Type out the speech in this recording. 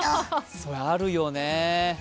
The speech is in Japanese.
それ、あるよね。